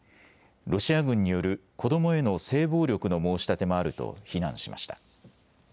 ロシア軍による子どもへの性暴力の申し立てもあると非難しました。